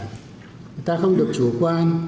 người ta không được chủ quan